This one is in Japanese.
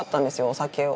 お酒を。